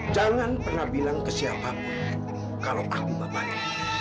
jangan pernah bilang ke siapapun kalau aku bapaknya